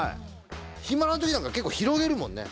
暇な時なんか結構広げるもんね